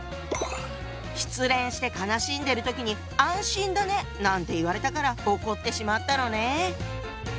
失恋して悲しんでる時に「安心だね！」なんて言われたから怒ってしまったのね。